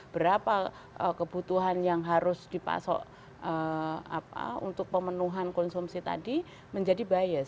berapa kebutuhan yang harus dipasok untuk pemenuhan konsumsi tadi menjadi bias